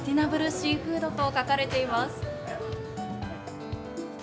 シーフードと書かれています。